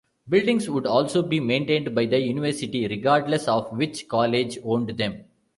Buildings would also be maintained by the university regardless of which college owned them.